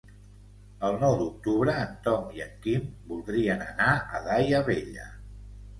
El nou d'octubre en Tom i en Quim voldrien anar a Daia Vella.